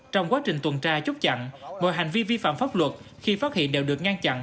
trong quá trình tuần tra chốt chặn mọi hành vi vi phạm pháp luật khi phát hiện đều được ngăn chặn